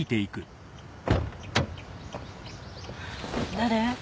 誰？